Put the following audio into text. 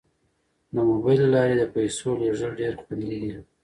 د موبایل له لارې د پيسو لیږل ډیر خوندي دي.